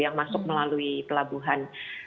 yang masuk melalui pelabuhan